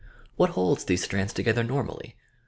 What holds these strands together normally!